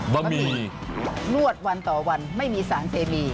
ะหมี่นวดวันต่อวันไม่มีสารเคมี